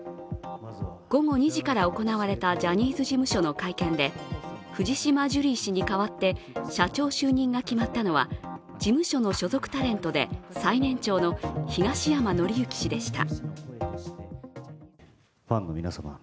午後２時から行われたジャニーズ事務所の会見で、藤島ジュリー氏に代わって社長就任が決まったのは事務所の所属タレントで最年長の東山紀之氏でした。